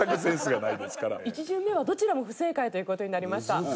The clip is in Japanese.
１巡目はどちらも不正解という事になりました。